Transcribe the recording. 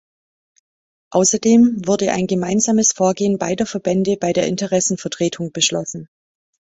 Außerdem wurde ein gemeinsames Vorgehen beider Verbände bei der Interessenvertretung beschlossen.